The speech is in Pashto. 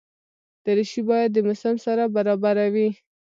دریشي باید د موسم سره برابره وي.